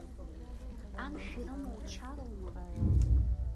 Амшә ирымоу чароума?